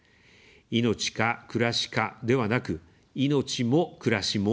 「命か、暮らしか」ではなく、「命も、暮らしも」